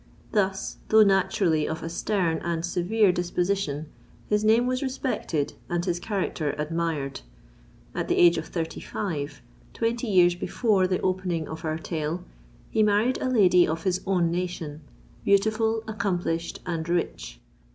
Thus, though naturally of a stern and severe disposition, his name was respected and his character admired. At the age of thirty five—twenty years before the opening of our tale—he married a lady of his own nation—beautiful, accomplished, and rich.